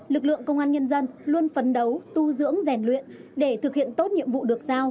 lực lượng công an nhân dân luôn phấn đấu tu dưỡng rèn luyện để thực hiện tốt nhiệm vụ được giao